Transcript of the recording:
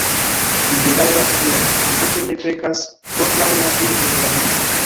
Mi bedaŭras tion: ili tute ne pekas kontraŭ la spirito de la lingvo.